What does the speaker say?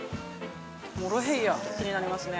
モロヘイヤ、気になりますね。